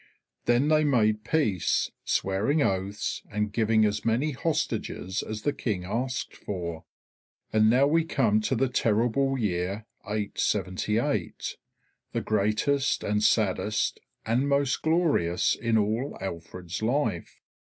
Then they made peace, swearing oaths, and giving as many hostages as the King asked for. And now we come to the terrible year 878, the greatest and saddest and most glorious in all Alfred's life.